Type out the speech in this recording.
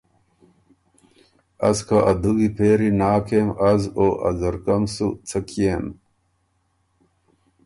از که ا دُوی پېری ناک کېم از او ا ځرکۀ م سُو څۀ کيېن؟